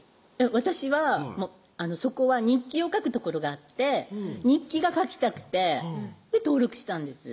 私はそこは日記を書く所があって日記が書きたくて登録したんです